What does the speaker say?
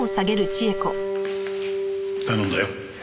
頼んだよ。